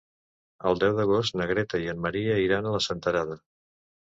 El deu d'agost na Greta i en Maria iran a Senterada.